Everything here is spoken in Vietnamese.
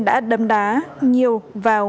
đã đâm đá nhiều vào